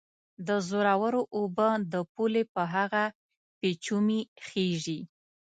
د زورورو اوبه د پولې په هغه پېچومي خېژي